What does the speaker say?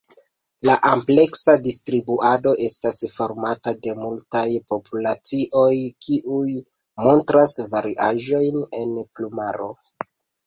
La ampleksa distribuado estas formata de multaj populacioj kiuj montras variaĵojn en plumaro.